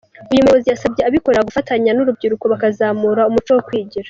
Uyu muyobozi yasabye abikorera gufatanya n’urubyiruko bakazamura umuco wo kwigira .